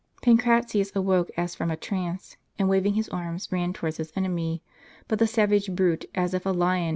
Pancratius awoke as from a trance, and waving his arms ran towards his enemy ;t but the savage brute, as if a lion had * Hist.